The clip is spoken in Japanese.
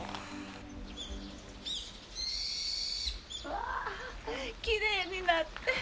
うわぁきれいになって。